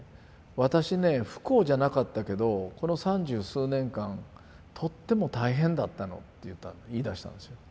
私ね不幸じゃなかったけどこの三十数年間とっても大変だったのって言いだしたんですよ。